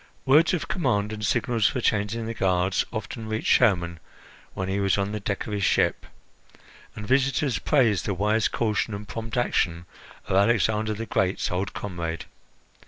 Words of command and signals for changing the guards often reached Hermon when he was on the deck of his ship, and visitors praised the wise caution and prompt action of Alexander the Great's old comrade.